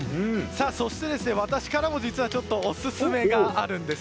そして、私からもオススメがあるんです。